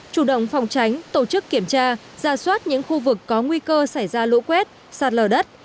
chủ động phòng tránh tổ chức kiểm tra ra soát những khu vực có nguy cơ xảy ra lũ quét sạt lở đất